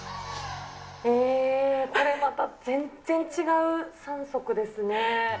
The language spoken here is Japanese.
えー、これまた全然違う３足ですね。